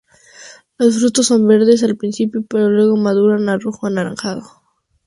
Los frutos son verdes al principio, pero luego maduran a rojo anaranjado.